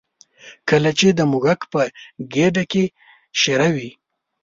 کله چې د موږک په ګېډه کې شېره وي.